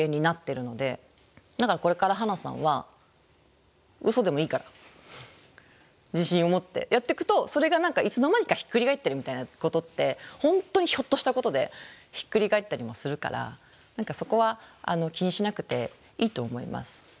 だからこれからハナさんはウソでもいいから自信を持ってやっていくとそれが何かいつの間にかひっくり返ってるみたいなことって本当にひょっとしたことでひっくり返ったりもするから何かそこは気にしなくていいと思います。